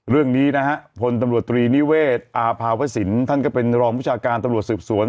เรื่องนี้นะฮะพลตำรวจตรีนิเวศอาภาวสินท่านก็เป็นรองวิชาการตำรวจสืบสวน